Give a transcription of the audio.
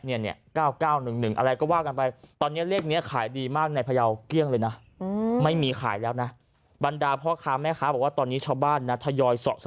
เนี้ยแก้วเก้าหนึ่งอะไรก็ว่ากันไปตอนเนี้ยเลขเนี้ย